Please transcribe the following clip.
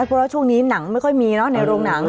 เพราะว่าช่วงนี้หนังไม่ค่อยมีเนอะในโรงหนัง